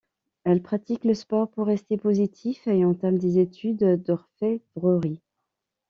Elle pratique le sport pour rester positive, et entame des études d’orfèvrerie.